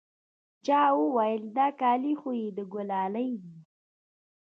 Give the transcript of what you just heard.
چا وويل دا كالي خو يې د ګلالي دي.